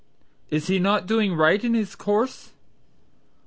"Is he not doing right in his course?"